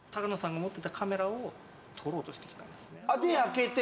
で開けて。